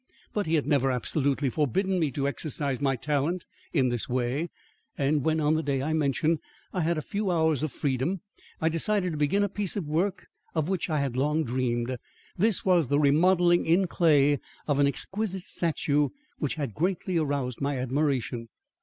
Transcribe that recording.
But he had never absolutely forbidden me to exercise my talent this way, and when on the day I mention I had a few hours of freedom, I decided to begin a piece of work of which I had long dreamed. This was the remodelling in clay of an exquisite statue which had greatly aroused my admiration.